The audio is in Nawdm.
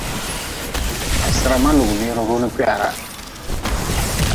Ha sira ma lugʼbire runi kwiharah.